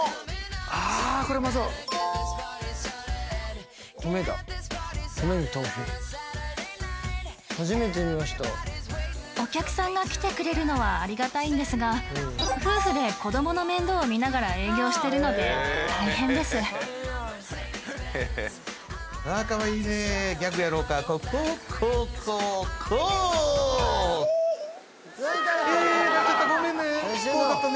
あーこれウマそう米だ米に豆腐初めて見ましたお客さんが来てくれるのはありがたいんですが夫婦で子どもの面倒をみながら営業してるので大変ですわーかわいいねギャグやろうかごめんね怖かったね